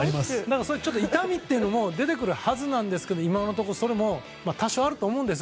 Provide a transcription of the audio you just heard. そういう痛みも出てくるはずなんですが今のところそれも多少あると思うんです。